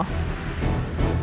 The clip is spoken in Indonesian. c'mon ini bukan benar al